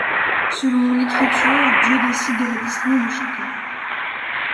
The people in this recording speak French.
Selon L’Écriture, Dieu décide de la destinée de chacun.